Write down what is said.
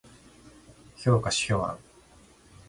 評価指標案